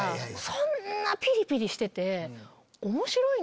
そんなピリピリしてて。